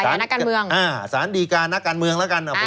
อันนั้นสารระยะนอกการเมือง